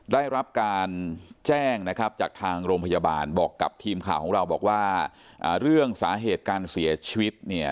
ได้รับการแจ้งนะครับจากทางโรงพยาบาลบอกกับทีมข่าวของเราบอกว่าเรื่องสาเหตุการเสียชีวิตเนี่ย